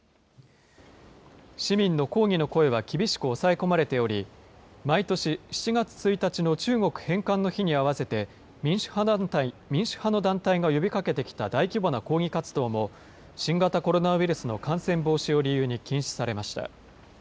市民の抗議の声は厳しく抑え込まれており、毎年７月１日に中国返還の日に合わせて、民主派の団体が呼びかけてきた大規模な抗議活動も、新型コロナウイルスの感染防止を理由に禁止されました。